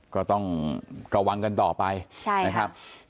ก็ต้องกระวังกันต่อไปใช่ค่ะ